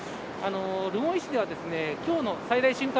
留萌市では今日の最大瞬間